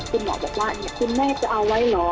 คุณหมอบอกว่าคุณแม่จะเอาไว้เหรอ